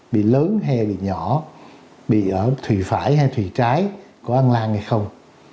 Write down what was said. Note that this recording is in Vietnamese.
bị lớn hay bị nhỏ bị ở thủy phải hay thủy trái của ăn lan hay không